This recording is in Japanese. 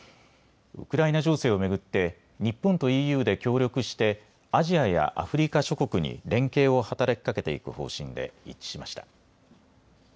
ウクライナ情勢を巡って日本とＥＵで協力してアジアやアフリカ諸国に連携を働きかけていく方針で一致しました。